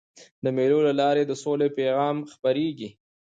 د مېلو له لاري د سولي پیغام خپرېږي.